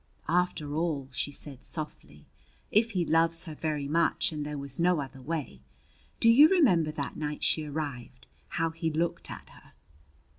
"After all," she said softly, "if he loves her very much, and there was no other way Do you remember that night she arrived how he looked at her?"